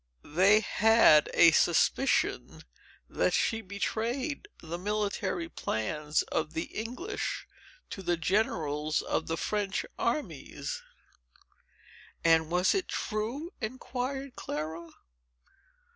They had a suspicion that she betrayed the military plans of the English to the generals of the French armies." "And was it true?" inquired Clara.